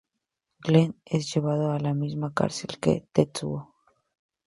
Glenn es llevado a la misma cárcel que Tetsuo.